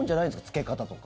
つけ方とか。